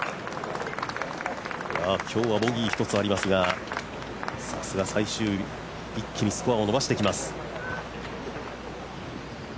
今日はボギー１つありますがさすが、最終日一気にスコアを伸ばしてきます。